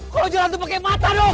kau jelat tuh pakai mata dong